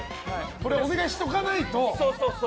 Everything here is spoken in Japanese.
これをお願いしとかないと。